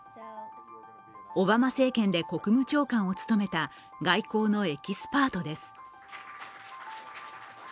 オバマ政権で国務長官を務めた外交のエキスパートです。